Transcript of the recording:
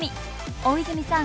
大泉さん